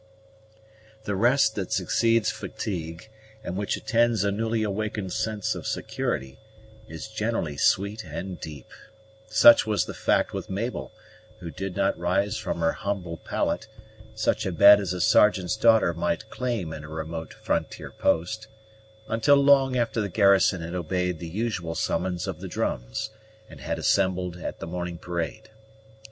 _ The rest that succeeds fatigue, and which attends a newly awakened sense of security, is generally sweet and deep. Such was the fact with Mabel, who did not rise from her humble pallet such a bed as a sergeant's daughter might claim in a remote frontier post until long after the garrison had obeyed the usual summons of the drums, and had assembled at the morning parade.